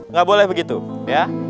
nggak boleh begitu ya